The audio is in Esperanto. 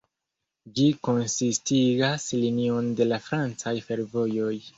Ĝi konsistigas linion de la francaj fervojoj.